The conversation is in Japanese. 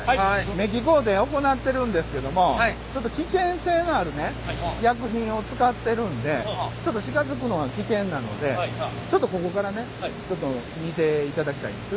めっき工程行ってるんですけども危険性のある薬品を使ってるんでちょっと近づくのは危険なのでちょっとここからね見ていただきたいんです。